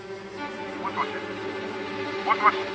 「もしもし？もしもし？」